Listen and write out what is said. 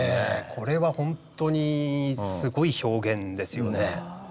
これはほんとにすごい表現ですよね。